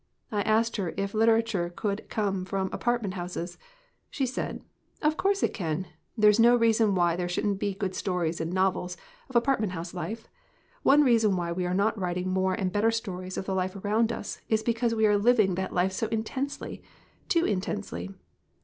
I asked her if literature ever could come from apartment houses. She said: 4 'Of course it can! There is no reason why there shouldn't be good stories and novels of apart ment house life. One reason why we are not writing more and better stories of the life around us is because we are living that life so intensely too intensely.